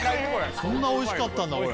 そんなおいしかったんだこれ。